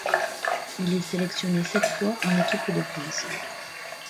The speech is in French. Il est sélectionné sept fois en équipe de France.